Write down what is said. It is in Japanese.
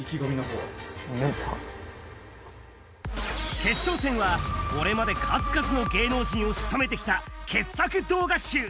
決勝戦は、これまで数々の芸能人をしとめてきた傑作動画集。